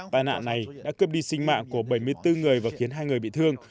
tai nạn này đã cướp đi sinh mạng của bảy mươi bốn người và khiến hai người bị thương